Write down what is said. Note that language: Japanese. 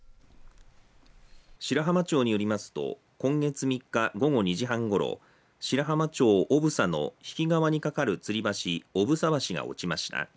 白浜町によりますと今月３日、午後２時半ごろ白浜町小房の日置川にかかるつり橋、小房橋が落ちました。